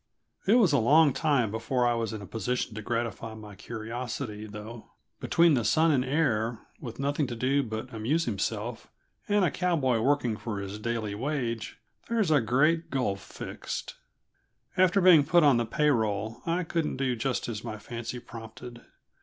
It was a long time before I was in a position to gratify my curiosity, though; between the son and heir, with nothing to do but amuse himself, and a cowboy working for his daily wage, there is a great gulf fixed. After being put on the pay roll, I couldn't do just as my fancy prompted.